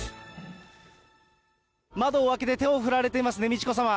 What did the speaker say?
窓を開けて手を振られていますね、美智子さま。